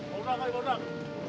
mau urang kali mau urang